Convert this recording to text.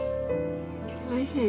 おいしい。